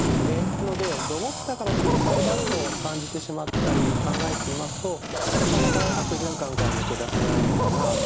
なのでどもったから失敗だと感じてしまったり考えていますとなかなか悪循環から抜け出せないのかなと思います。